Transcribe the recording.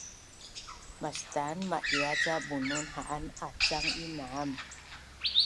Mastan madia’ ca Bunun ha’an acang inam